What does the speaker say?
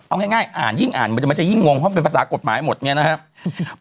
เอาง่ายอ่านยิ่งอ่านมันจะยิ่งงงเพราะเป็นภาษากฎหมายหมดเนี่ยนะครับ